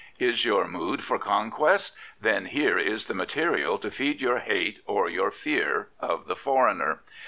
Is your mood for conquest ? Then here is the material to feed your hate or your fear of the foreigner.